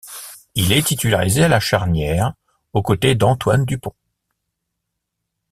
Il est titularisé à la charnière au côté d'Antoine Dupont.